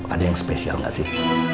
ada yang spesial gak sih